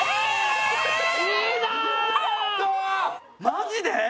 マジで？